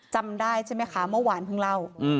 จำได้ใช่ไหมคะเมื่อวานเพิ่งเล่า